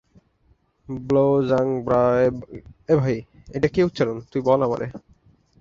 ব্লো-ব্জাং-ব্ক্রা-শিস এই হত্যাকাণ্ডের খবর ছড়িয়ে দেন।